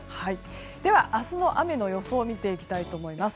では、明日の雨の予想を見ていきたいと思います。